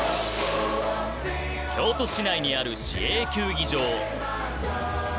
京都市内にある市営球技場。